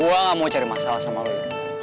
gue gak mau cari masalah sama loya